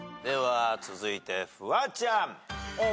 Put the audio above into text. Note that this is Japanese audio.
では続いてフワちゃん。